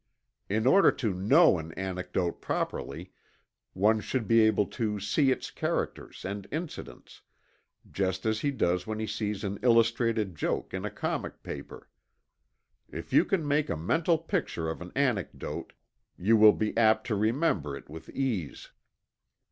In order to know an anecdote properly, one should be able to see its characters and incidents, just as he does when he sees an illustrated joke in a comic paper. If you can make a mental picture of an anecdote, you will be apt to remember it with ease.